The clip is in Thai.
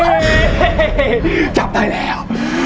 อ๋อลิลิจับได้แล้ว